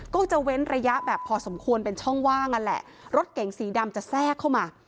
ก็จะเว้นระยะแบบพอสมควรเป็นช่องว่างนั่นแหละรถเก๋งสีดำจะแทรกเข้ามา